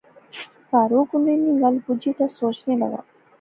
فاروق ان نی گل بجی تے سوچنے لاغا